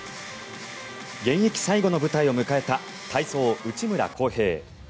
現役最後の舞台を迎えた体操、内村航平。